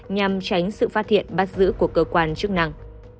nhằm tránh sự phát hiện bắt giữ của cơ quan chức năng